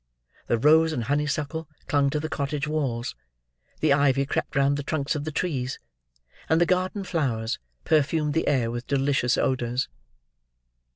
The rose and honeysuckle clung to the cottage walls; the ivy crept round the trunks of the trees; and the garden flowers perfumed the air with delicious odours.